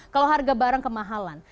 kalau harga barang kemahalan